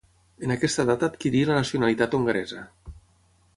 En aquesta data adquirí la nacionalitat hongaresa.